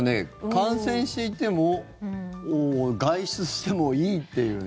感染していても外出してもいいっていうね。